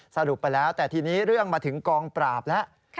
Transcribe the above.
สรุปไปแล้วแต่ทีนี้เรื่องมาถึงกองปราบแล้ว